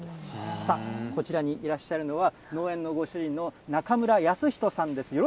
さあ、こちらにいらっしゃるのは農園のご主人の中村保仁さんです。